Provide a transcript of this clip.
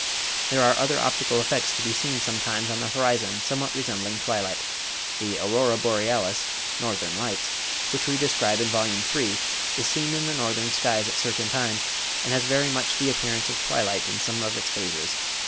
There are other optical effects to be seen sometimes on the horizon somewhat resembling twilight. The "aurora borealis" (northern lights), which we describe in Vol. III., is seen in the northern skies at certain times, and has very much the appearance of twilight in some of its phases.